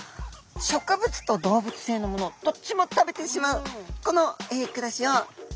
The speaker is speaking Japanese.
植物と動物性のものどっちも食べてしまうこの暮らしを雑食性っていうんですね。